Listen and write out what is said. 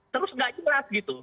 terus nggak jelas gitu